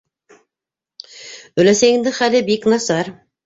Өләсәйеңдең хәле бик насар.